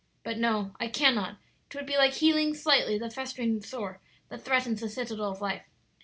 But no, I cannot; 'twould be like healing slightly the festering sore that threatens the citadel of life.